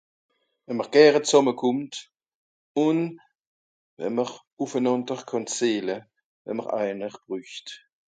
wenn mr gere zàmme kòmmt ùn wenn mr ùffenànder kànn zeele wenn mr einer brücht